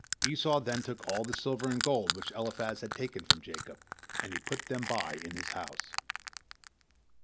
Esau then took all the silver and gold which Eliphaz had taken from Jacob, and he put them by in his house.